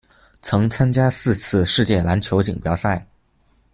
曾参加四次世界篮球锦标赛。